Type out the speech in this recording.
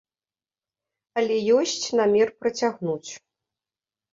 Але ёсць намер працягнуць.